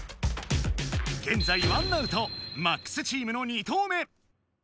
げんざいワンアウトマックスチームの２投目！